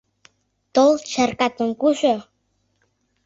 Тол, чаркатым кучо...